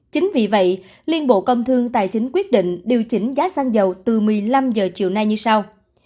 chính vì vậy liên bộ công thương tài chính quyết định điều chỉnh giá xăng dầu từ một mươi năm h chiều nay như sau